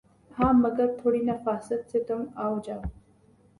ہاں مگر تھوڑی نفاست سے تُم آؤجاؤ